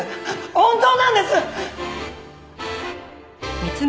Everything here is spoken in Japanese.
本当なんです！